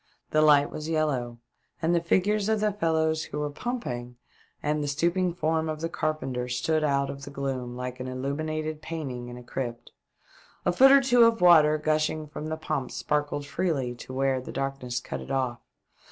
The light was yellow, and the figures of the fellows who were pumping and the stooping form of the carpenter stood out of the gloom like an illuminated painting in a crypt. A foot or two of water gushing from the pump sparkled freely to where the darkness cut it off.